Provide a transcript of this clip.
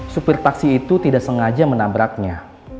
supir taksi itu tidak sengaja menabraknya